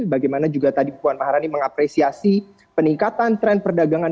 bagaimana juga tadi puan maharani mengapresiasi peningkatan tren perdagangan